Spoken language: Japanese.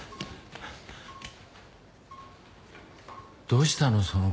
どうしたの？